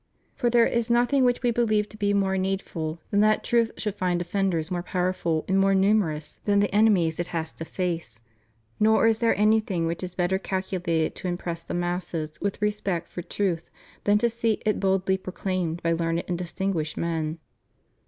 For there is nothing which We believe to be more needful than that truth should find defenders more powerful and more numerous than the enemies it has to face; nor is there anything which is better calculated to impress the masses with respect for truth than to see it boklly proclaimed by learned and dis tinguished men.